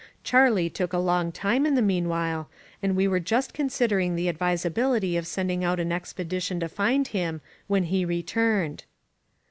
Charlie took a long time, in the meanwhile, and we were just considering the advisability of send ing out an expedition to find him when he returned.